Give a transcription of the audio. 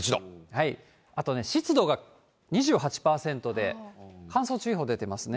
あとね、湿度が２８％で、乾燥注意報出てますね。